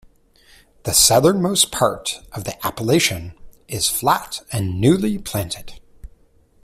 The southernmost part of the appellation is flat and newly planted.